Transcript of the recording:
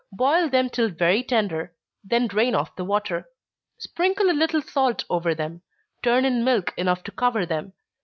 Boil them till very tender then drain off the water. Sprinkle a little salt over them turn in milk enough to cover them.